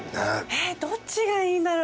えっどっちがいいんだろう？